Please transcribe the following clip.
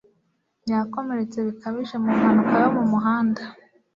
Yakomeretse bikabije mu mpanuka yo mu muhanda.